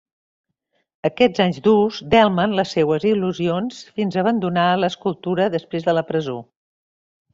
Aquests anys durs delmen les seues il·lusions fins a abandonar l'escultura després de la presó.